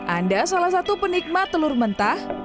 anda salah satu penikmat telur mentah